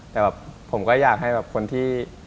แต่ผมก็อยากให้คนที่